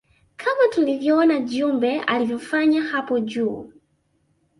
Kama tulivyoona jumbe alivyofanya hapo juu